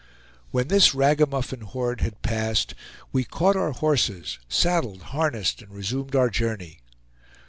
When this ragamuffin horde had passed, we caught our horses, saddled, harnessed, and resumed our journey.